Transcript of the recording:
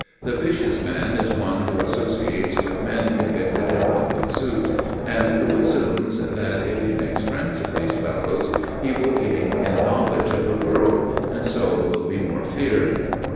The vicious man is one who associates with men convicted in public suits, and who assumes that, if he makes friends of these fellows, he will gain in knowledge of the world, and so will be more feared.